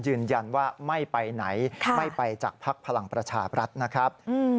ยืนยันว่าไม่ไปไหนไม่ไปจากภักดิ์พลังประชาบรัฐนะครับ